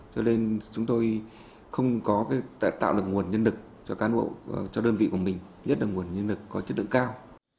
cho nên chúng tôi không có tạo được nguồn nhân lực cho đơn vị của mình nhất là nguồn nhân lực có chất lượng cao